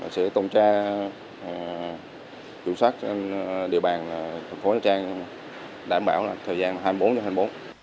sẽ tôn tre chủ sát địa bàn thành phố nhà trang đảm bảo thời gian hai mươi bốn h hai mươi bốn h